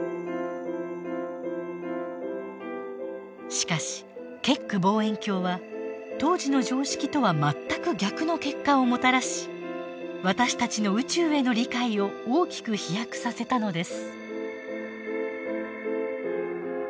しかしケック望遠鏡は当時の常識とは全く逆の結果をもたらし私たちの宇宙への理解を大きく飛躍させたのです。